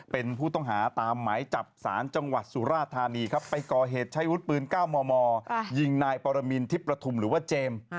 เป็นผู้ต้องหาตามหมายจับสารจังหวัดสุราธานีครับไปก่อเหตุใช้วุฒิปืน๙มมยิงนายปรมินทิพประทุมหรือว่าเจมส์